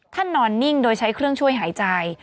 นอนนิ่งโดยใช้เครื่องช่วยหายใจ